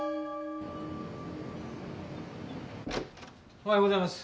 おはようございます。